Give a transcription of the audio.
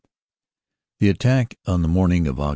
26 27 THE attack on the morning of Aug.